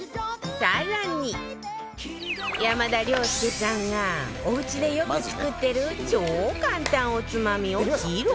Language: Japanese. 更に山田涼介さんがおうちでよく作ってる超簡単おつまみを披露